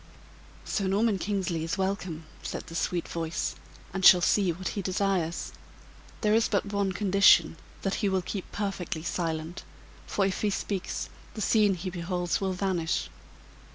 "Sir Norman Kingsley is welcome," said the sweet voice, "and shall see what he desires. There is but one condition, that he will keep perfectly silent; for if he speaks, the scene he beholds will vanish.